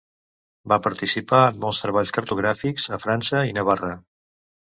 Va participar en molts treballs cartogràfics a França i Navarra.